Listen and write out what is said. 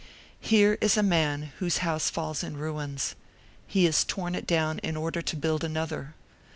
Here is a man whose house falls in ruins; he has torn it down in order to build another.